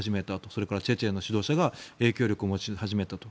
それからチェチェンの指導者が影響力を持ち始めたと。